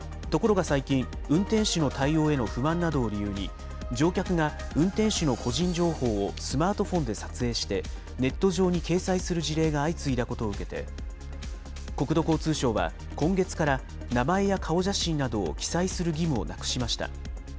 ところが最近、運転手の対応への不満などを理由に、乗客が運転手の個人情報をスマートフォンで撮影してネット上に掲載する事例が相次いだことを受けて、国土交通省は今月から名前や顔写真などを記載する義務をなくしました。